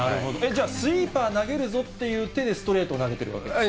じゃあスイーパー投げるぞという体で、ストレートを投げてるわけですか。